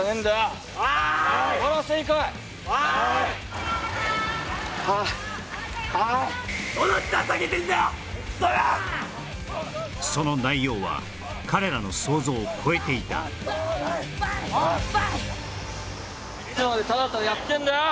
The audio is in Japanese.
・はーい！はあその内容は彼らの想像を超えていたいつまでタラタラやってんだよ！